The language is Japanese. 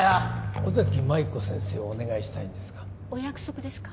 尾崎舞子先生をお願いしたいんですがお約束ですか？